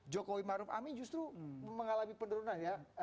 jokowi maruf amin justru mengalami penurunan ya